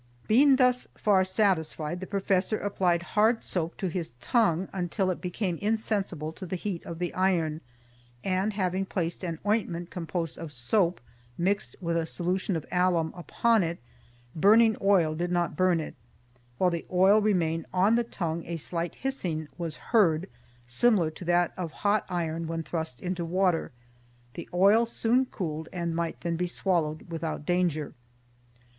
Being thus far satisfied, the Professor applied hard soap to his tongue until it became insensible to the heat of the iron; and having placed an ointment composed of soap mixed with a solution of alum upon it, burning oil did not burn it; while the oil remained on the tongue a slight hissing was heard, similar to that of hot iron when thrust into water; the oil soon cooled and might then be swallowed without danger.